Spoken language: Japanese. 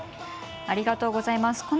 ありがとうございます。